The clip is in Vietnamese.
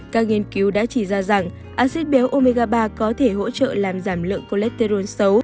các nghiên cứu đã chỉ ra rằng acid béo omega ba có thể hỗ trợ làm giảm lượng cholesterol xấu